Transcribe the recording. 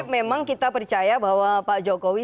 memang kita percaya bahwa pak jokowi